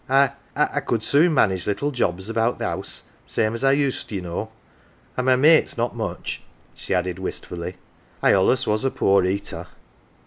" I I could soon manage little jobs about th' 'ouse, same as I used, ye know an' my mate's not much, 1 ' she added wistfully. " I allus was a poor eater."